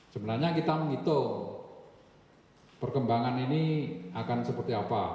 sebenarnya kita menghitung perkembangan ini akan seperti apa